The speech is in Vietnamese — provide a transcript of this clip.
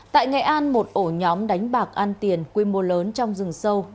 tại nghệ an một ổ nhóm đánh bạc ăn tiền quy mô lớn trong rừng sâu